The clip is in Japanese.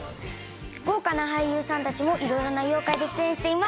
豪華な俳優さんたちもいろいろな妖怪で出演しています。